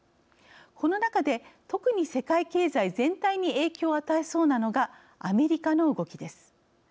この中で特に世界経済全体に影響を与えそうなのがアメリカの動きです。